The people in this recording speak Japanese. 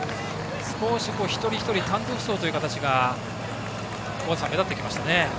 一人一人、単独走という形が尾方さん、目立ってきましたね。